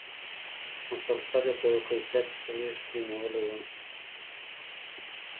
مسلسل یې په یوه کیفیت غېږ کې نېولی وم.